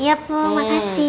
iya puh makasih